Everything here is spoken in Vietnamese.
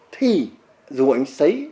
thì dù anh xấy